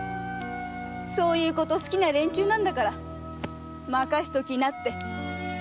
そういうこと好きな連中だから任しときなって！